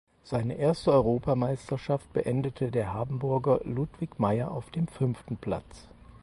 Seine erste Europameisterschaft beendete der Hamburger Ludwig Meyer auf dem fünften Platz.